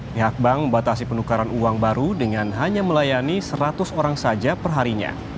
pihak bank membatasi penukaran uang baru dengan hanya melayani seratus orang saja perharinya